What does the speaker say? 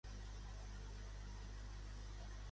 Els Pets és el meu grup de música favorit.